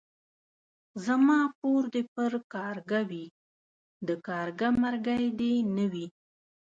زما پور دي پر کارگه وي ،د کارگه مرگى دي نه وي.